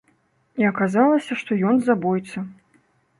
І аказалася, што ён забойца.